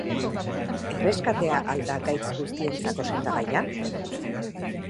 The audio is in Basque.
Erreskatea al da gaitz guztientzako sendagaia?